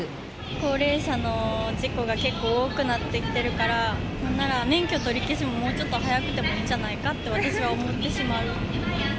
高齢者の事故が結構多くなってきているから、なんなら免許取り消しももうちょっと早くてもいいんじゃないかって私は思ってしまう。